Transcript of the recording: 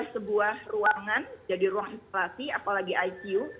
untuk merubah sebuah ruangan jadi ruang isolasi apalagi icu